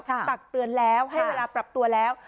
ตักเตือนแล้วให้เวลาปรับตัวแล้ว